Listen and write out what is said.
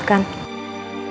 aku akan menanggungmu